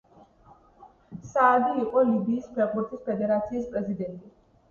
საადი იყო ლიბიის ფეხბურთის ფედერაციის პრეზიდენტი.